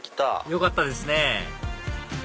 よかったですね